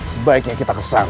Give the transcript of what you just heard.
sebaiknya kita kesana